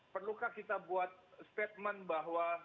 perlukah kita buat statement bahwa